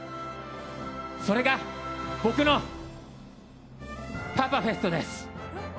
それが僕のパパフェストです。